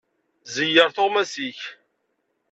Ẓeyyer tuɣmas-ik.